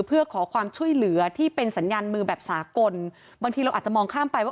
เพื่อขอความช่วยเหลือที่เป็นสัญญาณมือแบบสากลบางทีเราอาจจะมองข้ามไปว่า